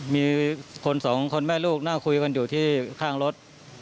มีคนสองคนแม่ลูกนั่งคุยกันอยู่ที่ข้างรถ